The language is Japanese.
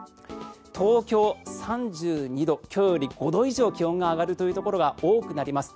東京、３２度今日より５度以上気温が上がるというところが多くなります。